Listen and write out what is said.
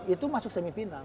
sembilan itu masuk semifinal